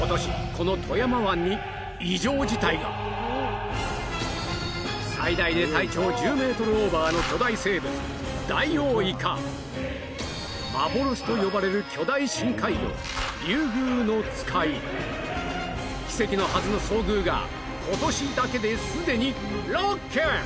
この富山湾に「異常事態」が最大で体長１０ｍオーバーの巨大生物「ダイオウイカ」幻と呼ばれる巨大深海魚「リュウグウノツカイ」奇跡のはずの遭遇がことしだけですでに６件！